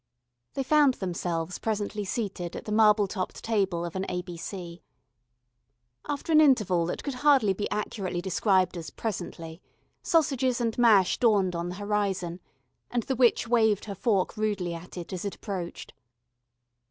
They found themselves presently seated at the marble topped table of an A.B.C. After an interval that could hardly be accurately described as presently, sausages and mash dawned on the horizon, and the witch waved her fork rudely at it as it approached.